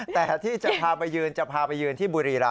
แต่ที่จะพาไปยืนจะพาไปยืนที่บุรีรำ